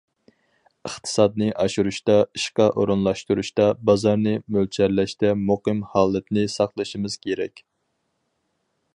ئىقتىسادنى ئاشۇرۇشتا، ئىشقا ئورۇنلاشتۇرۇشتا، بازارنى مۆلچەرلەشتە مۇقىم ھالەتنى ساقلىشىمىز كېرەك.